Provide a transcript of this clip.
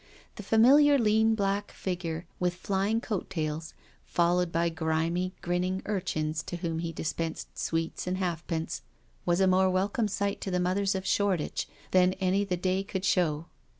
The familiar lean black figure with flying coat tails, followed by grimy, grinning urchins to whom he dispensed sweets and halfpence, was a more welcome IN MIDDLEHAM CHURCH 185 sight to the mothers of Shoreditch than any the day could show.